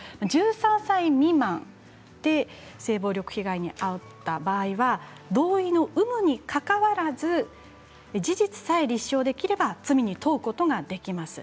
１３歳未満で性暴力被害に遭った場合は同意の有無に関わらず事実さえ立証できれば罪に問うことができます。